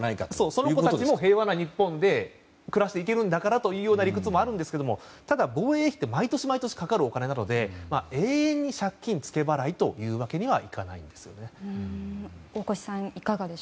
その子たちも平和な日本で暮らしていけるんだからという理屈もあるんですがただ、防衛費って毎年かかるお金なので永遠に借金ツケ払いというわけにはいかないですよね。